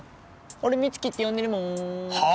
俺美月って呼んでるもんはあ！？